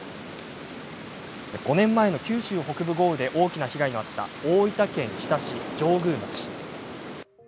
５年前の九州北部豪雨で大きな被害のあった大分県日田市上宮町。